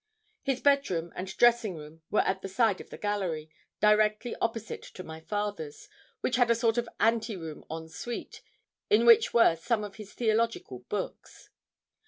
His bed room and dressing room were at the side of the gallery, directly opposite to my father's, which had a sort of ante room en suite, in which were some of his theological books.